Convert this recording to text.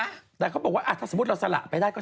แต่เขาบอกว่าถ้าสมมุติเราสละไปได้ก็